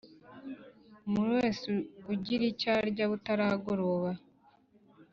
umuntu wese ugira icyo arya butaragoroba